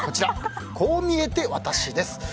こう見えてワタシです。